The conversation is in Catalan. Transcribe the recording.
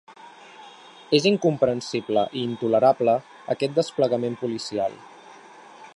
És incomprensible i intolerable aquest desplegament policial.